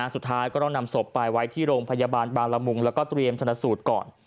สุดท้ายก็ต้องนำศพไปไว้ที่โรงพยาบาลบางละมุงแล้วก็เตรียมชนะสูตรก่อน